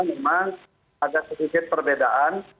memang ada sedikit perbedaan